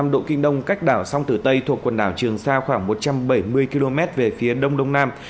một trăm một mươi năm năm độ kinh đông cách đảo song tử tây thuộc quần đảo trường sa khoảng một trăm bảy mươi km về phía đông đông nam